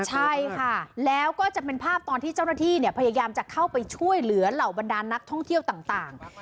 ใช่ค่ะแล้วก็จะเป็นภาพตอนที่เจ้าหน้าที่พยายามจะเข้าไปช่วยเหลือเหล่าบรรดานนักท่องเที่ยวต่าง